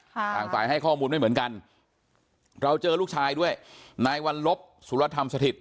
ต่างฝ่ายให้ข้อมูลไม่เหมือนกันเราเจอลูกชายด้วยนายวัลลบสุรธรรมสถิต